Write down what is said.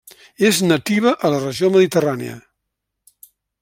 És nativa a la regió mediterrània.